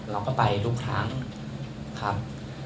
เราก็ไปทุกครั้งครับ